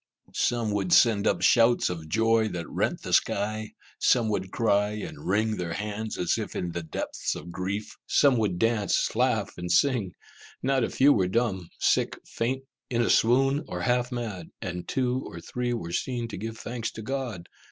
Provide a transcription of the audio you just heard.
Some would send up shouts of joy that rent the sky; some would cry and wring their hands as if in the depths of grief; some would dance, laugh, and sing; not a few were dumb, sick, faint, in a swoon, or half mad; and two or three were seen to give thanks to God.